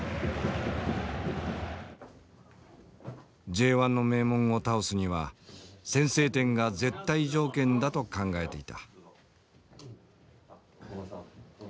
Ｊ１の名門を倒すには先制点が絶対条件だと考えていた。